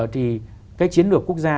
thì cái chiến lược quốc gia